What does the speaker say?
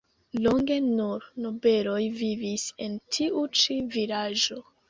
Longe nur nobeloj vivis en tiu ĉi vilaĝo.